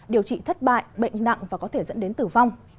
điều trị thất bại bệnh nặng và có thể dẫn đến tử vong